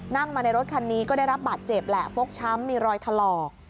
นั่งมาในรถคันนี้ก็ได้รับบาดเจ็บแหละฟกช้ำมีรอยถลอก